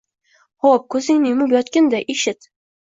Xo‘p, ko‘zingni yumib yotgin-da, eshit...